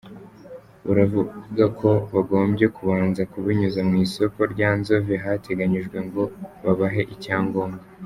Buravuga ko bagombye kubanza kubinyuza mu isoko rya Nzove hateganyijwe ngo babahe icyangombwa .